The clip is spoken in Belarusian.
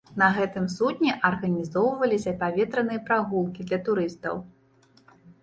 На гэтым судне арганізоўваліся паветраныя прагулкі для турыстаў.